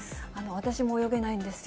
私も泳げないんですよ。